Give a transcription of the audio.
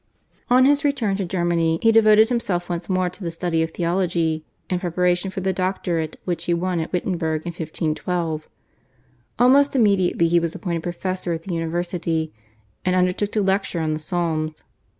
On his return to Germany he devoted himself once more to the study of theology in preparation for the doctorate which he won at Wittenberg in 1512. Almost immediately he was appointed professor at the university and undertook to lecture on the Psalms.